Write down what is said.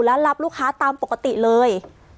และรับลูกค้าตามปกติเลย